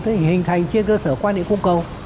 thế thì hình thành trên cơ sở quan điểm của cầu